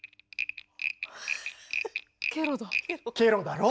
ケロだろ！